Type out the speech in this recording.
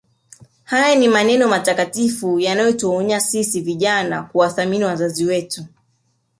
Haya ni maneno matakatifu yanayotuonya sisi vijana kuwathamini wazazi wetu